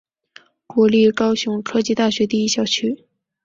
国立高雄科技大学第一校区。